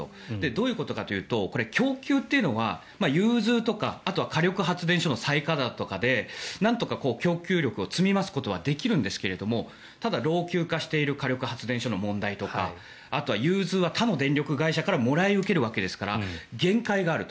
どういうことかというと供給というのは融通とか火力発電所の再稼働とかでなんとか、供給力を積み増すことはできるんですがただ、老朽化している火力発電所の問題とかあとは融通は他の電力会社からもらい受けるわけですから限界がある。